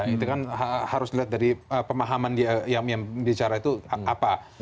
itu kan harus dilihat dari pemahaman yang bicara itu apa